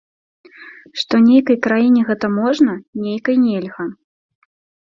Што нейкай краіне гэта можна, нейкай нельга.